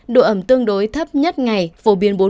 độ ẩm tương đối thấp nhất ngày phổ biến bốn mươi bốn mươi năm độ c